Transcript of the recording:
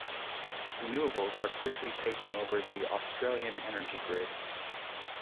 Renewables are quickly taking over the Australian energy grid.